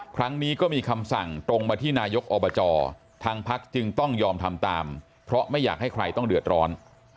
ครั้งนี้ก็มีคำสั่งตรงมาที่นายกอบจทางพักจึงต้องยอมทำตามเพราะไม่อยากให้ใครต้องเดือดร้อน